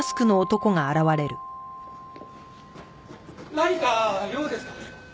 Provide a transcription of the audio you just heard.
何か用ですか？